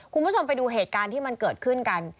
คุณผู้ชมไปดูเหตุการณ์ที่มันเกิดขึ้นกัน